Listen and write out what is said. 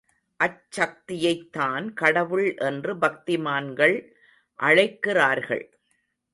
அச்சக்தியைத்தான் கடவுள் என்று பக்திமான்கள் அழைக்கிறார்கள்.